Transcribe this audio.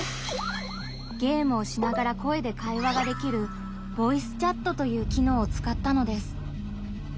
ゲームをしながら声で会話ができるボイスチャットという機能をつかったのです。